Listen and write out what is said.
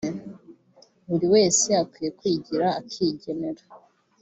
buri wese akwiye kwigira akigenera